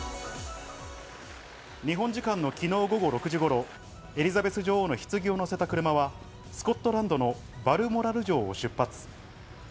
日本時間の昨日午後６時頃、エリザベス女王の棺を乗せた車は、スコットランドのバルモラル城を出発。